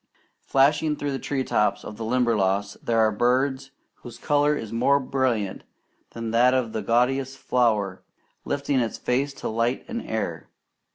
Flashing through the tree tops of the Limberlost there are birds whose colour is more brilliant than that of the gaudiest flower lifting its face to light and air.